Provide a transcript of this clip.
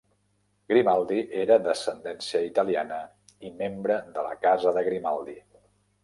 Grimaldi era d'ascendència italiana i membre de la Casa de Grimaldi.